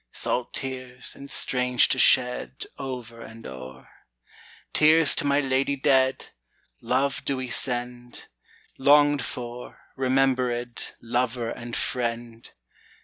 Salt tears, and strange to shed, Over and o'er; Tears to my lady dead, Love do we send, Longed for, rememberèd, Lover and friend!